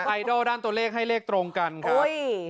ไอดอลด้านตัวเลขให้เลขตรงกันครับ